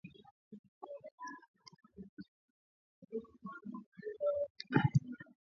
Uganda yabakia kwenye kiwango cha kipato cha chini, Benki ya Dunia yasema